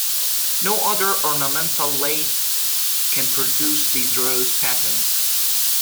No other ornamental lathe can produce these "rose" patterns.